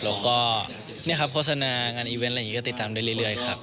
แล้วก็โฆษณางานอีเวนต์อะไรอย่างนี้ก็ติดตามได้เรื่อยครับ